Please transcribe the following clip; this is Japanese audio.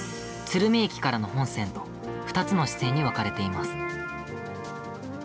鶴見駅からの本線と２つの支線に分かれています。